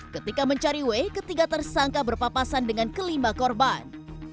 ketika mencari w ketiga tersangka berpapasan dengan kelima korban